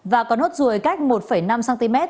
và có nốt ruồi cách một năm cm